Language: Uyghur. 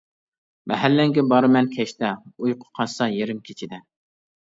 مەھەللەڭگە بارىمەن كەچتە، ئۇيقۇ قاچسا يېرىم كېچىدە.